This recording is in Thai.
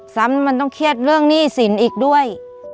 ซ้ำมันต้องเครียดเรื่องหนี้สินอีกด้วย